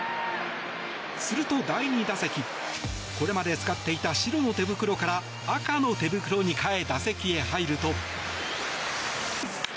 すると、第２打席これまで使っていた白の手袋から赤の手袋に変え打席へ入ると。